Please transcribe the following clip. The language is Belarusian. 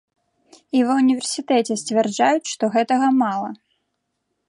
І ва ўніверсітэце сцвярджаюць, што гэтага мала!